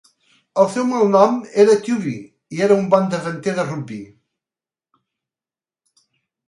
El seu malnom era "Tubby" i era un bon davanter de rugbi.